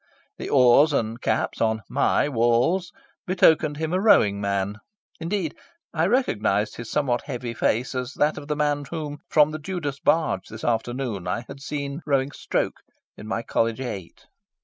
The oars and caps on my walls betokened him a rowing man. Indeed, I recognised his somewhat heavy face as that of the man whom, from the Judas barge this afternoon, I had seen rowing "stroke" in my College Eight.